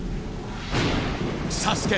ＳＡＳＵＫＥ